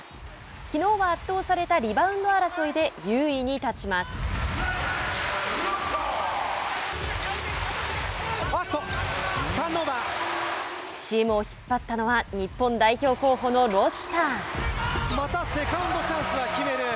きのうは圧倒されたリバウンド争いでチームを引っ張ったのはまたセカンドチャンスだ。